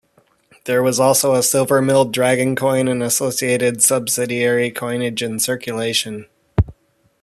There was also a silver milled dragon coin and associated subsidiary coinage in circulation.